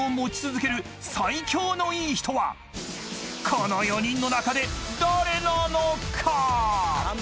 ［この４人の中で誰なのか⁉］